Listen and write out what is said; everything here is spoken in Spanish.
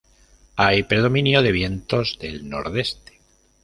Hay predominio de vientos del nordeste.